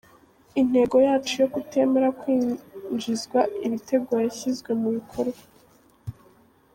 Intego yacu yo kutemera kwinjizwa ibitego yashyizwe mu bikorwa.